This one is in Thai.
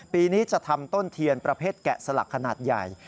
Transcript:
ปีนี้จะทำต้นเทียนประเภทแกะสลักขนาดใหญ่